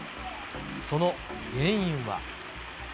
その原因は。